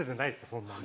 そんなに。